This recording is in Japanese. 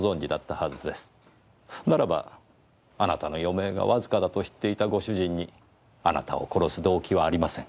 ならばあなたの余命がわずかだと知っていたご主人にあなたを殺す動機はありません。